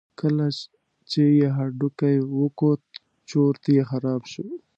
کله چې یې هډوکی وکوت چورت یې خراب شو.